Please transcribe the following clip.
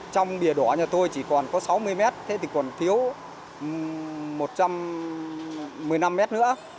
trong bìa đỏ nhà tôi chỉ còn có sáu mươi mét thế thì còn thiếu một trăm một mươi năm mét nữa